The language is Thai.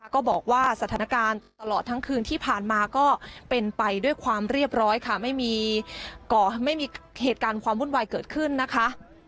ก็บอกว่าสถานการณ์ตลอดทั้งคืนที่ผ่านมาก็เป็นไปด้วยความเรียบร้อยค่ะไม่มีเหตุการณ์ความวุ่นวายเกิดขึ้นนะคะ